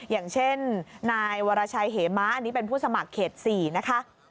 อย่างเช่นนายวรชัยเหม้าอันนี้เป็นผู้สมัครเขต๔นะคะ